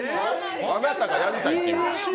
あなたがやりたいって。